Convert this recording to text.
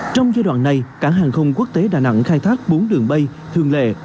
trong giai đoạn này cảng hàng không quốc tế đà nẵng khai thác bốn đường bay thường lệ